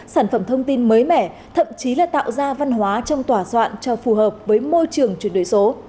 trong thông tin mới mẻ thậm chí là tạo ra văn hóa trong tỏa soạn cho phù hợp với môi trường truyền đổi số